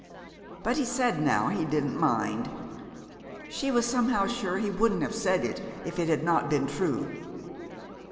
... But he said now he didn't mind. She was somehow sure he wouldn't have said it if it had not been true.